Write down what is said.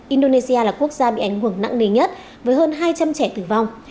indonesia là quốc gia bị ảnh hưởng nặng nề nhất với hơn hai trăm linh trẻ tử vong